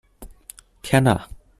天啊！